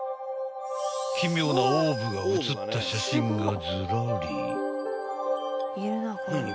［奇妙なオーブが写った写真がずらり］